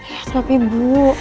ya tapi bu